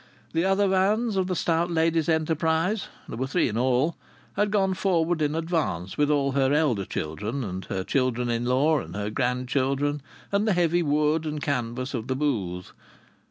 The other vans of the stout lady's enterprise (there were three in all) had gone forward in advance, with all her elder children and her children in law and her grandchildren, and the heavy wood and canvas of the booth.